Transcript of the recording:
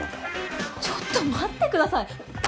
ちょっと待って下さい。